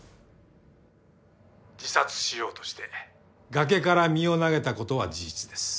自殺しようとして崖から身を投げたことは事実です。